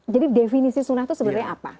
jadi definisi sunnah itu sebenarnya apa